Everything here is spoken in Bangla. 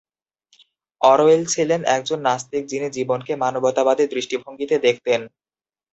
অরওয়েল ছিলেন একজন নাস্তিক যিনি জীবনকে মানবতাবাদী দৃষ্টিভঙ্গিতে দেখতেন।